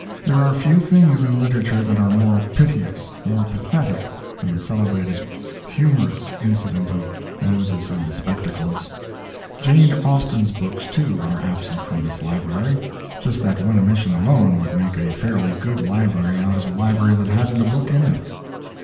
There are few things in literature that are more piteous, more pathetic, than the celebrated "humorous" incident of Moses and the spectacles. Jane Austen's books, too, are absent from this library. Just that one omission alone would make a fairly good library out of a library that hadn't a book in it.